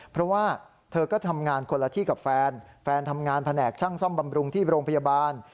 เพราะว่าเธอก็ทำงานคนละที่กับแฟนแฟนทำงานแผนกช่างซ่อมบำรุงที่โรงพยาบาล